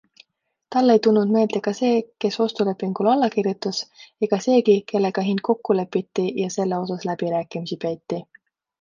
Talle ei tulnud meelde ka see, kes ostulepingule alla kirjutas ega seegi, kellega hind kokku lepiti ja selle osas läbirääkimisi peeti.